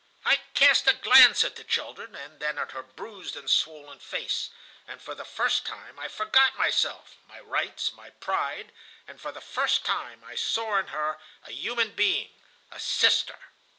"I cast a glance at the children, and then at her bruised and swollen face, and for the first time I forgot myself (my rights, my pride), and for the first time I saw in her a human being, a sister.